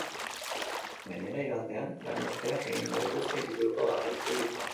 Gainera, igandean lanuzteak egin dituzte hiriburuko garraio publikoan.